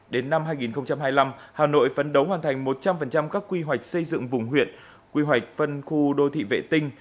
đến năm hai nghìn hai mươi năm hà nội phấn đấu hoàn thành một trăm linh các quy hoạch xây dựng vùng huyện quy hoạch phân khu đô thị vệ tinh